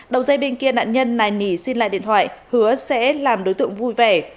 đầu dây bên kia nạn nhân này nỉ xin lại điện thoại hứa sẽ làm đối tượng vui vẻ